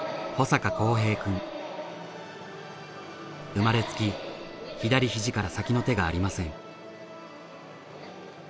生まれつき左ひじから先の手がありません。